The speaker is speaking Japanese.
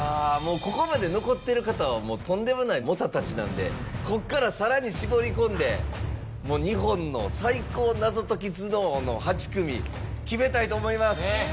もうここまで残ってる方はとんでもない猛者たちなんでこっからさらに絞り込んで日本の最高謎解き頭脳の８組決めたいと思います。